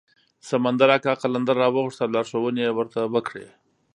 سمندر اکا قلندر راوغوښت او لارښوونې یې ورته وکړې.